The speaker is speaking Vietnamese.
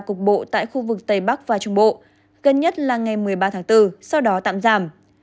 cục bộ tại khu vực tây bắc và trung bộ gần nhất là ngày một mươi ba tháng bốn sau đó tạm giảm